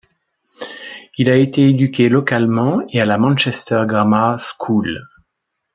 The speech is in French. Il a été éduqué localement et à la Manchester Grammar School.